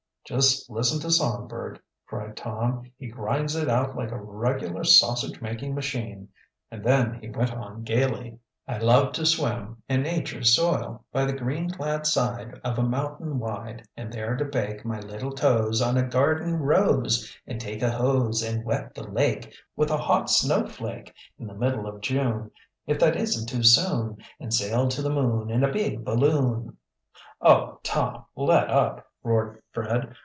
"Just to listen to Songbird!" cried Tom. "He grinds it out like a regular sausage making machine," and then he went on gayly: "I love to swim, In Nature's soil, By the green clad side, Of a mountain wide, And there to bake, My little toes, On a garden rose, And take a hose, And wet the lake With a hot snowflake, In the middle of June If that isn't too soon And sail to the moon In a big balloon " "Oh, Tom, let up!" roared Fred.